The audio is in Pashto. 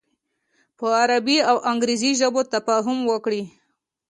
په عربي او انګریزي ژبو تفاهم وکړي.